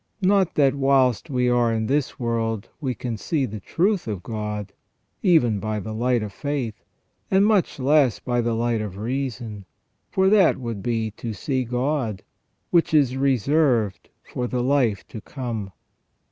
Not that whilst we are in this world we can see the truth in God, even by the light of faith, and much less by the light of reason, for that would be to see God, which is reserved for the life to come.